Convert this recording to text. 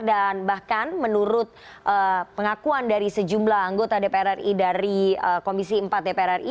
dan bahkan menurut pengakuan dari sejumlah anggota dpr ri dari komisi empat dpr ri